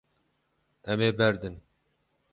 Em ê berdin.